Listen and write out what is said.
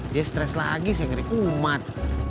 dia stress lagi sih ngeri puman